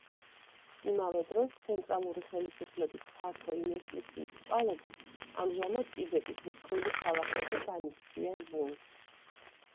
იმავე დროს ცენტრალური ხელისუფლების ფართო ინვესტიციის წყალობით ამჟამად ტიბეტის მსხვილი ქალაქები განიცდიან ბუმს.